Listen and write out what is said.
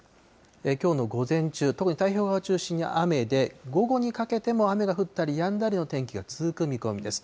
きょうの午前中、特に太平洋側を中心に雨で、午後にかけても雨が降ったりやんだりの天気が続く見込みです。